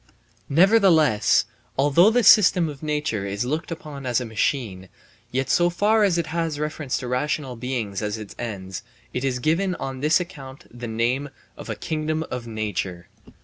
Nevertheless, although the system of nature is looked upon as a machine, yet so far as it has reference to rational beings as its ends, it is given on this account the name of a kingdom of nature.